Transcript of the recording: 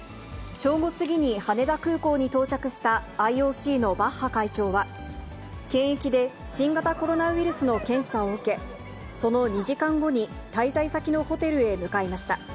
正午過ぎに羽田空港に到着したＩＯＣのバッハ会長は、検疫で新型コロナウイルスの検査を受け、その２時間後に滞在先のホテルへ向かいました。